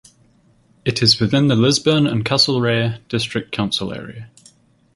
It is within the Lisburn and Castlereagh District Council area.